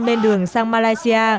lên đường sang malaysia